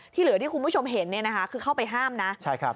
ที่เหลือที่คุณผู้ชมเห็นคือเข้าไปห้ามนะ